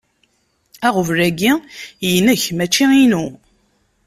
Aɣbel-agi inek, mačči inu.